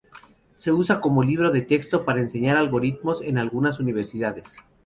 Se usa como libro de texto para enseñar algoritmos en algunas universidades.